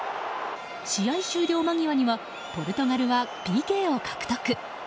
試合終了間際にはポルトガルはＰＫを獲得。